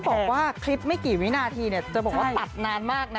บอกว่าคลิปไม่กี่วินาทีจะบอกว่าตัดนานมากนะ